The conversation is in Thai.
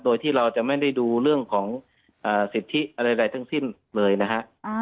โดยที่เราจะไม่ได้ดูเรื่องของสิทธิอะไรใดทั้งสิ้นเลยนะฮะ